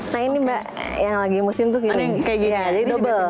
nah ini mbak yang lagi musim tuh kayak gini